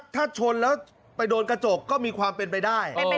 ถ้าชนแล้วไปโดนกระจกก็มีความเป็นไปได้